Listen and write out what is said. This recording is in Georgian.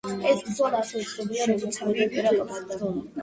ეს ბრძოლა, ასევე, ცნობილია, როგორც სამი იმპერატორის ბრძოლა.